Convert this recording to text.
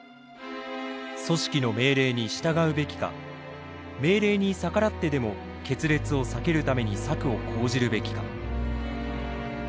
組織の命令に従うべきか命令に逆らってでも決裂を避けるために策を講じるべきか。